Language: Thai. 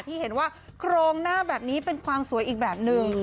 ที่เห็นว่าโครงหน้าแบบนี้เป็นความสวยอีกแบบหนึ่ง